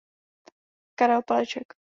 Karel Paleček.